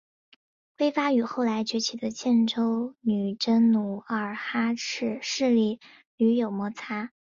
辉发与后来崛起的建州女真努尔哈赤势力屡有摩擦。